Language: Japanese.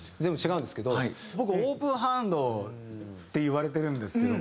僕オープンハンドっていわれてるんですけど。